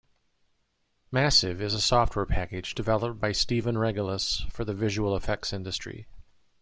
"Massive" is a software package developed by Stephen Regelous for the visual effects industry.